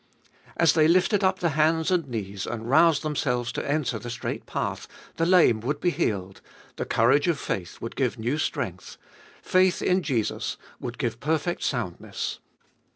As they lifted up the hands and knees, and roused themselves to enter the straight path, the lame would be healed, — the courage of faith would give new strength, — faith in Jesus would give perfect soundness.